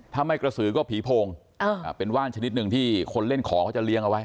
ถ้าไม่กระสือก็ผีโพงเป็นว่านชนิดหนึ่งที่คนเล่นของเขาจะเลี้ยงเอาไว้